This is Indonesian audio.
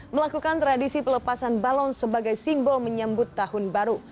melakukan tradisi pelepasan balon sebagai simbol menyambut tahun baru